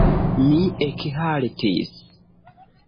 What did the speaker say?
Mi ekhaltis.